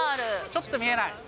ちょっと見えない。